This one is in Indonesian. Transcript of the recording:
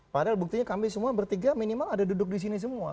padahal buktinya kami semua bertiga minimal ada duduk di sini semua